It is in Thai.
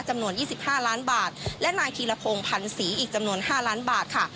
จำนวนยี่สิบห้าร้านบาทและนายทีระพงภรรย์ศรีอีกจำนวนห้าร้านบาทค่ะ